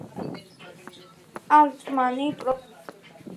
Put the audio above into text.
ალტმანი პროფესიით იურისტია.